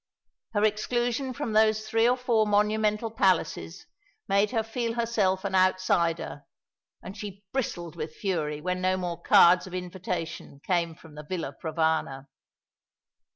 Her exclusion from those three or four monumental palaces made her feel herself an outsider; and she bristled with fury when no more cards of invitation came from the Villa Provana.